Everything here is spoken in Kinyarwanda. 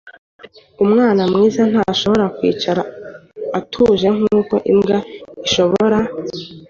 Umwana muzima ntashobora kwicara atuje nkuko imbwa ishobora